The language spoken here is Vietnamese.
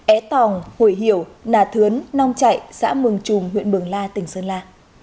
é tòng hồi hiểu nà thướn nong chạy xã mường trùng huyện mường la tỉnh sơn la